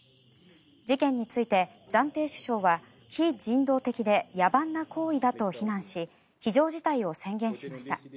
事件について暫定首相は非人道的で野蛮な行為だと非難し非常事態を宣言しました。